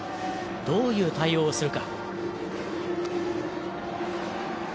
どういう対応をするか。